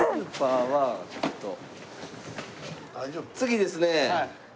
次ですね